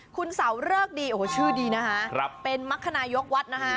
คุณเสาเลิกดีโอ้โหชื่อดีนะฮะเป็นมรรคนายกวัดนะฮะ